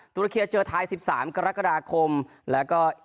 ตุรเคียเจอไทย๑๓กรกฎาคมแล้วก็